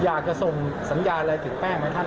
อยากจะส่งสัญญาณอะไรถึงแป้งไหมท่าน